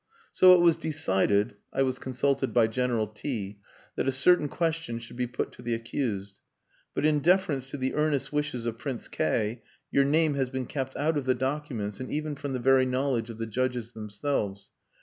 "So it was decided (I was consulted by General T ) that a certain question should be put to the accused. But in deference to the earnest wishes of Prince K your name has been kept out of the documents and even from the very knowledge of the judges themselves.